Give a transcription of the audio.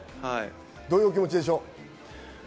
どういうお気持ちでしょう？